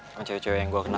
lo cewek cewek yang gue kenal